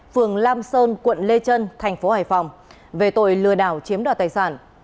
phường lam sơn quận lê trân tp hải phòng về tội lừa đảo chiếm đoạt tài sản